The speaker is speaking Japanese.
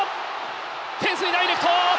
フェンスにダイレクト。